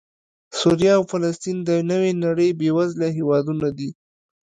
سوریه او فلسطین د نوې نړۍ بېوزله هېوادونه دي